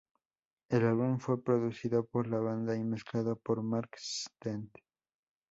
El álbum fue producido por la banda y mezclado por Mark Stent.